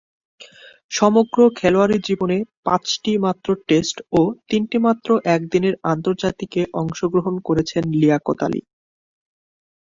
সমগ্র খেলোয়াড়ী জীবনে পাঁচটিমাত্র টেস্ট ও তিনটিমাত্র একদিনের আন্তর্জাতিকে অংশগ্রহণ করেছেন লিয়াকত আলী।